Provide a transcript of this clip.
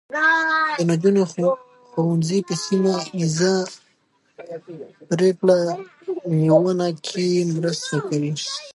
د نجونو ښوونځي په سیمه ایزه پرېکړه نیونه کې مرسته کوي.